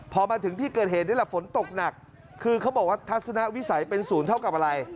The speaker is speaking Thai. พอมาถึงที่เกิดเหตุนี่แหละฝนตกหนักคือเขาบอกว่าทัศนวิสัยเป็นศูนย์เท่ากับอะไร